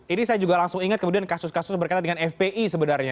ini saya juga langsung ingat kemudian kasus kasus berkaitan dengan fpi sebenarnya